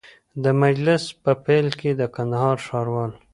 د مجلس په پیل کي د کندهار ښاروال